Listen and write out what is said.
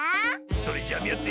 それじゃあみあって。